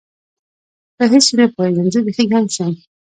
په هیڅ شي نه پوهېږم، زه بیخي ګنګس یم.